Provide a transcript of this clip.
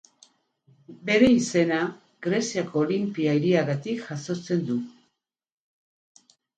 Bere izena Greziako Olinpia hiriagatik jasotzen du.